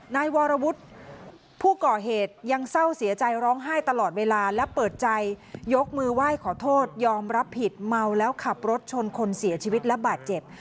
นายวรวุฒิผู้ก่อเหตุยังเศร้าเสียใจร้องไห้ตลอดเวลาและเปิดใจยกมือไหว้ขอโทษยอมรับผิดเมาแล้วขับรถชนคนเสียชีวิตและบาดเจ็บ